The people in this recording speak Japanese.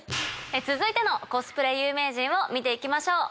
続いてのコスプレ有名人を見て行きましょう。